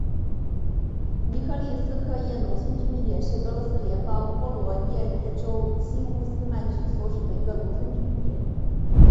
尼科利斯科耶农村居民点是俄罗斯联邦沃罗涅日州新乌斯曼区所属的一个农村居民点。